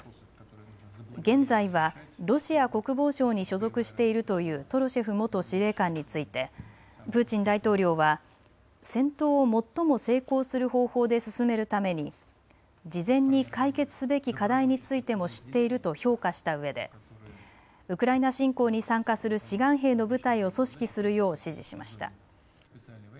現在はロシア国防省に所属しているというトロシェフ元司令官についてプーチン大統領は戦闘を最も成功する方法で進めるために事前に解決すべき課題についても知っていると評価したうえでウクライナ侵攻に参加する志願兵の部隊を組織するよう指示しました。